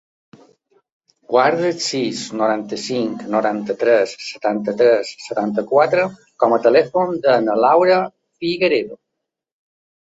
Guarda el sis, noranta-cinc, noranta-tres, setanta-tres, setanta-quatre com a telèfon de la Laura Figueredo.